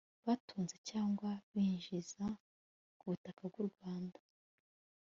batunze cyangwa binjiza ku butaka bw'urwanda